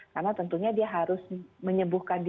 karena tentunya dia harus menyebuhkan diri